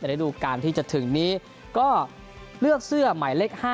ระดูการที่จะถึงนี้ก็เลือกเสื้อหมายเลข๕